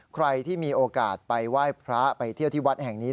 ใครที่มีโอกาสไปไหว้พระไปเที่ยวที่วัดแห่งนี้